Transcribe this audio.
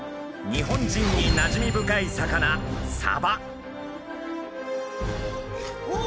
日本人になじみ深い魚おお！